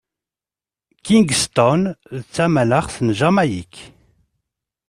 Kingston d tamaxt n Jamayik.